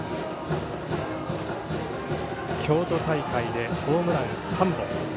京都大会でホームラン３本。